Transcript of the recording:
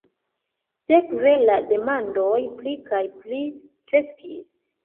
Sekve la demandoj pli kaj pli kreskis.